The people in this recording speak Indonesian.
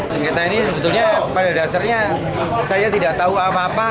sengketa ini sebetulnya pada dasarnya saya tidak tahu apa apa